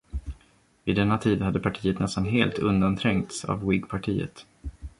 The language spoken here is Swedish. Vid denna tid hade partiet nästan helt undanträngts av whigpartiet.